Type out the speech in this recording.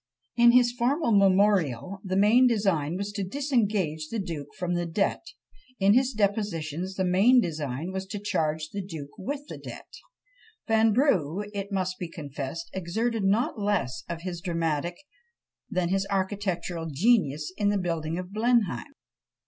In his former memorial, the main design was to disengage the duke from the debt; in his depositions, the main design was to charge the duke with the debt. Vanbrugh, it must be confessed, exerted not less of his dramatic than his architectural genius in the building of Blenheim!